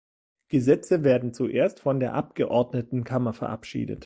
Gesetze werden zuerst von der Abgeordnetenkammer verabschiedet.